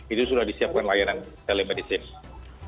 itu sudah disiapkan layanan telemedicine